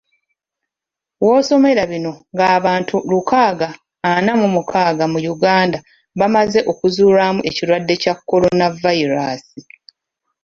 W'osomera bino, ng'abantu lukaaga ana mu mukaaga mu Uganda bamaze okuzuulwamu ekirwadde kya Kolonavayiraasi.